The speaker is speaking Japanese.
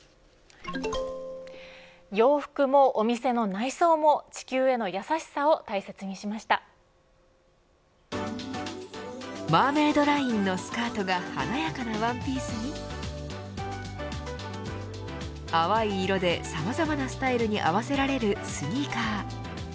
洋服もお店の内装も地球へのマーメイドラインのスカートが華やかなワンピースに淡い色でさまざまなスタイルに合わせられるスニーカー。